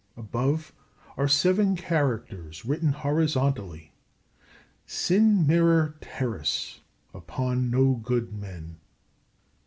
Above are seven characters written horizontally: "Sin Mirror Terrace upon no good men."